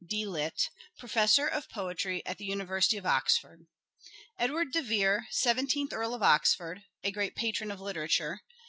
D.Litt. (Professor of Poetry at the Uni versity of Oxford) :—" Edward de Vere, Seventeenth Earl of Oxford, ... a great patron of literature